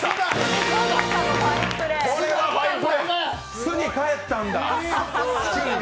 巣に帰ったんだ。